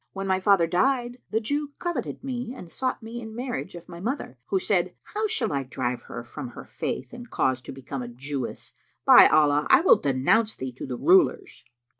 When my father died, the Jew coveted me and sought me in marriage of my mother, who said, 'How shall I drive her from her Faith and cause to become a Jewess? By Allah, I will denounce thee to the rulers!'